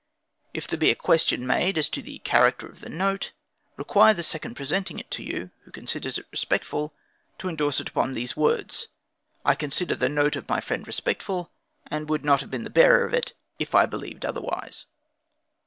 If there be a question made as to the character of the note, require the second presenting it to you, who considers it respectful, to endorse upon it these words: "I consider the note of my friend respectful, and would not have been the bearer of it, if I believed otherwise."